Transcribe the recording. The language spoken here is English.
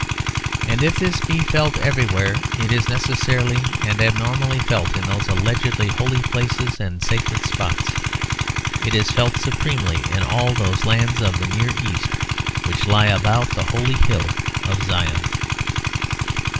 And if this be felt everywhere, it is necessarily and abnormally felt in those alleged holy places and sacred spots. It is felt supremely in all those lands of the Near East which lie about the holy hill of Zion.